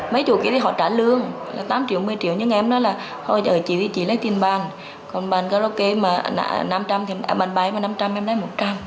mấy chủ kia thì họ trả lương là tám triệu một mươi triệu nhưng em nói là thôi chị thì chị lấy tiền bán còn bán karaoke mà năm trăm linh bán bái mà năm trăm linh em lấy một trăm linh